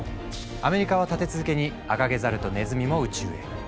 アメリカは立て続けにアカゲザルとネズミも宇宙へ。